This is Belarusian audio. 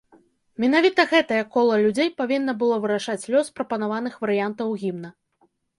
Менавіта гэтае кола людзей павінна было вырашаць лёс прапанаваных варыянтаў гімна.